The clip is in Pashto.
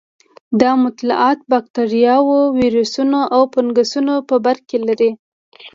دا مطالعات بکټریاوو، ویروسونو او فنګسونو په برکې لري.